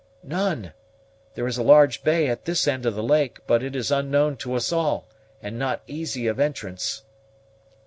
"None. There is a large bay at this end of the lake; but it is unknown to us all, and not easy of entrance."